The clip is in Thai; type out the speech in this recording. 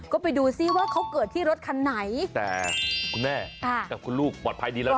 ก็ไปดูซิว่าเขาเกิดที่รถคันไหนแต่คุณแม่กับคุณลูกปลอดภัยดีแล้วนะ